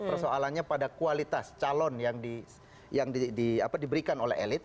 persoalannya pada kualitas calon yang diberikan oleh elit